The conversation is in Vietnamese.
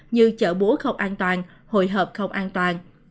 như chợ búa không an toàn hội hợp không an toàn